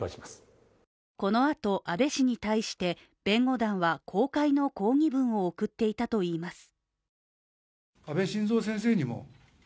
このあと安倍氏に対して、弁護団は公開の抗議文を送っていたといいます。